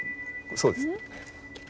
そうです。